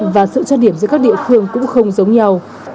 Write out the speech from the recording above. và sự cho điểm giữa các địa phương cũng không giống nhau